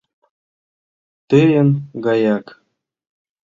Тыйын гаяк.